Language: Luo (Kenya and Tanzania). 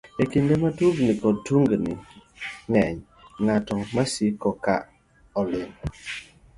E kinde ma tungni koda tungni ng'eny, ng'at masiko ka oling'